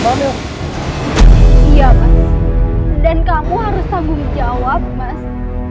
felia selalu buat tak ganti laki laki